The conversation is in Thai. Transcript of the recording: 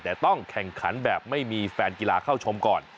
แต่ต้องแข่งขันแบบไม่มีแฟนกีฬาเข้าชมก่อน